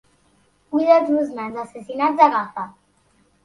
Vull els meus nens assassinats a Gaza.